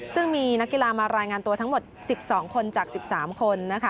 ซึ่งมีนักกีฬามารายงานตัวทั้งหมด๑๒คนจาก๑๓คนนะคะ